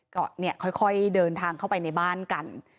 ก็เนี่ยค่อยเดินทางเข้าไปในบ้านกัน